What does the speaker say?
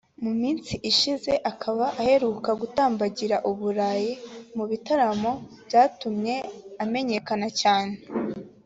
mu minsi ishize akaba anaherutse gutambagira u Burayi mu bitaramo byatumye amenyekana cyane